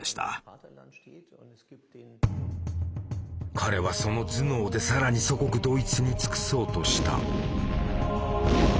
彼はその頭脳で更に祖国ドイツに尽くそうとした。